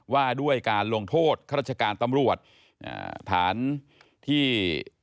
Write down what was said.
ว่าด้วยการลงโทษข้าราชการตำรวจฐานที่